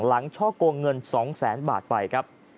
หลังช่อกงเงิน๒๐๐๐๐๐บาทไปครับ